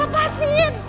aku tak lepasin